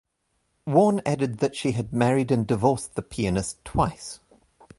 Warne added that she had married and divorced the pianist twice.